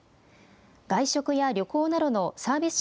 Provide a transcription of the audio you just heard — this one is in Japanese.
外食や旅行などのサービス